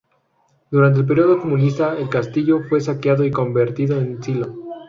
Durante el periodo comunista, el castillo fue saqueado y convertido en silo.